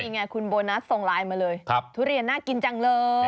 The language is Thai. นี่ไงคุณโบนัสส่งไลน์มาเลยทุเรียนน่ากินจังเลย